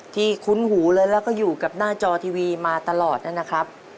คุ้นหูเลยแล้วก็อยู่กับหน้าจอทีวีมาตลอดนะครับ